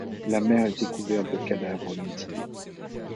La mer était couverte de cadavres mutilés.